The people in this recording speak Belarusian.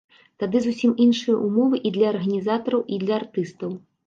Тады зусім іншыя ўмовы і для арганізатараў, і для артыстаў.